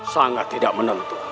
sangat tidak menentu